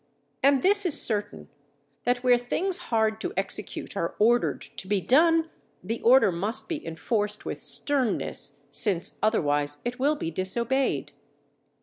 And this is certain, that where things hard to execute are ordered to be done, the order must be enforced with sternness, since, otherwise, it will be disobeyed.